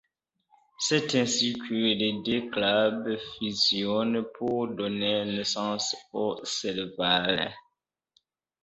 C’est ainsi que les deux clubs fusionnent pour donner naissance aux Servals.